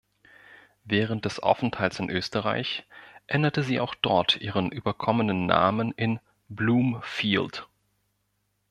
Während des Aufenthalts in Österreich änderte sie auch dort ihren überkommenen Namen in "Bloomfield".